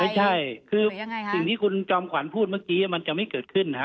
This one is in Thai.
ไม่ใช่คือสิ่งที่คุณจอมขวัญพูดเมื่อกี้มันจะไม่เกิดขึ้นนะฮะ